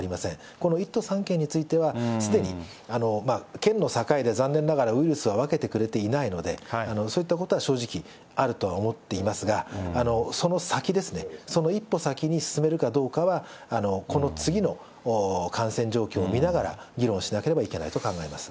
この１都３県については、すでに、県の境で残念ながらウイルスは分けてくれていないので、そういったことは正直あるとは思っていますが、その先ですね、その一歩先に進めるかどうかは、この次の感染状況を見ながら議論しなければいけないと考えます。